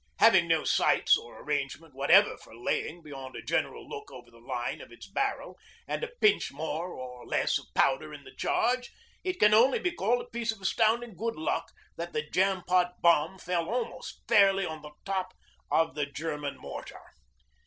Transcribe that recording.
Having no sights or arrangement whatever for laying beyond a general look over the line of its barrel and a pinch more or less of powder in the charge, it can only be called a piece of astounding good luck that the jam pot bomb fell almost fairly on the top of the German mortar.